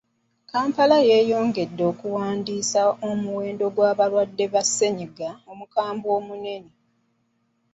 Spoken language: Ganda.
Kampala yeeyongedde okuwandiisa omuwendo gw'abalwadde ba ssennyiga omukambwe omunene.